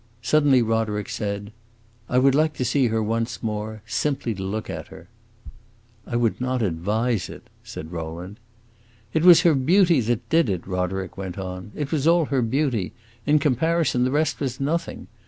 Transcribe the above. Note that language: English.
Suddenly Roderick said, "I would like to see her once more simply to look at her." "I would not advise it," said Rowland. "It was her beauty that did it!" Roderick went on. "It was all her beauty; in comparison, the rest was nothing.